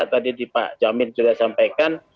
tadi pak jamin sudah sampaikan